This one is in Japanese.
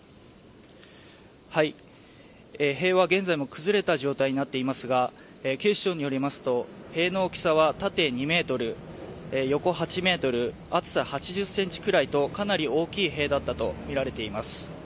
塀は現在も崩れた状態となっていますが警視庁によりますと塀の大きさは縦２ｍ横８ｍ、厚さ８０ｃｍくらいとかなり大きい塀だったとみられています。